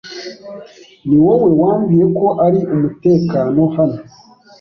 Niwowe wambwiye ko ari umutekano hano.